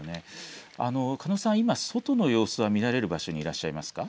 下野さん、今外の様子が見られる場所にいらっしゃいますか。